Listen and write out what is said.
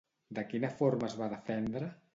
De quina forma es va defendre?